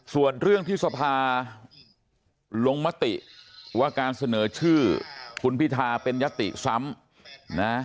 ส่วนเรื่องที่สภาลงมติว่าการเสนอชื่อคุณพิทาเป็นยติซ้ำนะ